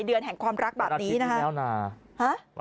เดือนแห่งความรักแบบนี้นะคะ